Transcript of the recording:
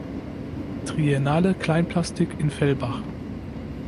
Triennale Kleinplastik in Fellbach.